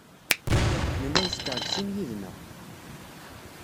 Nella neskeṛ deg sin yid-neɣ.